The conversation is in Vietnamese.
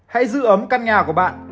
hãy giữ ấm căn nhà của bạn